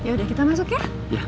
yaudah kita masuk ya